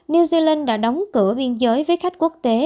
new zealand đã đóng cửa biên giới với khách quốc tế